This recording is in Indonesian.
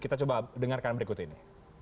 kita coba dengarkan berikut ini